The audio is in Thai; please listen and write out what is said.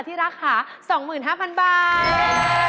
ที่ราคา๒๕๐๐๐บาท